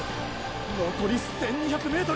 のこり１２００ｍ！！